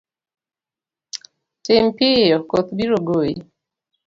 Tim piyo koth biro goyi.